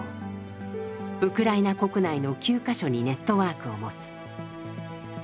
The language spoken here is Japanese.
ウクライナ国内の９か所にネットワークを持つ。